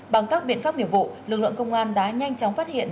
bằng các biện pháp nghiệp vụ lực lượng công an đã nhanh chóng phát hiện